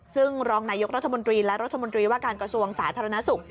ซึ่งรองนายกรัฐมนตรีและรัฐมนตรีว่าการกระทรวงสาธารณสุข